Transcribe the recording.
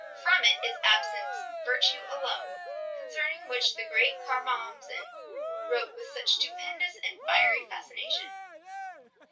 From it is absent virtue alone, concerning which the great Karamzin wrote with such stupendous and fiery fascination.